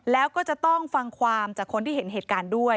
แล้วก็จะต้องฟังความจากคนที่เห็นเหตุการณ์ด้วย